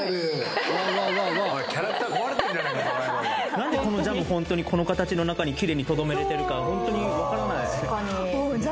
何でこのジャムホントにこの形の中にきれいに留められているかホントに分からない